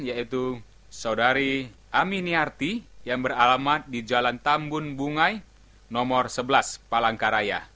yaitu saudari ami niyati yang beralamat di jalan tambun bungai nomor sebelas palangkaraya